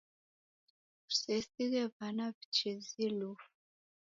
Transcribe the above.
Kusesighe w'ana w'ichezie lufu.